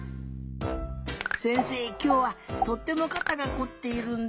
せんせいきょうはとってもかたがこっているんだ。